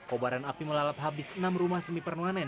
kebakaran api melalap habis enam rumah semipermanen